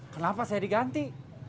kenapa saya diganti